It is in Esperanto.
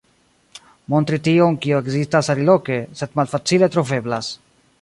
Montri tion kio ekzistas aliloke, sed malfacile troveblas.